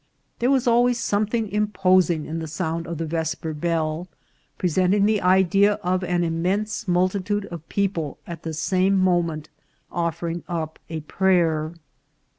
There was always something imposing in the sound of the vesper bell, presenting the idea of an immense multitude of people at the same moment offering up a prayer.